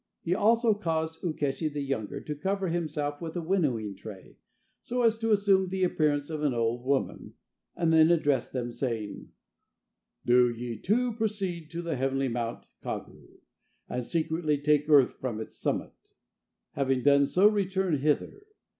He also caused Ukeshi the younger to cover himself with a winnowing tray, so as to assume the appearance of an old woman, and then addressed them, saying: "Do ye two proceed to the heavenly mount Kagu, and secretly take earth from its summit. Having done so, return hither.